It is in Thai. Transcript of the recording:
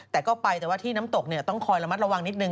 แต่ก็ไปแต่ว่าที่น้ำตกต้องคอยระมัดระวังนิดนึ